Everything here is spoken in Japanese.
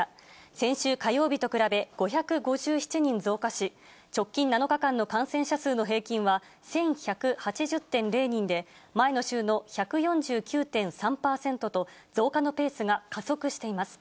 先週火曜日と比べ５５７人増加し、直近７日間の感染者数の平均は１１８０．０人で、前の週の１４９．３％と、増加のペースが加速しています。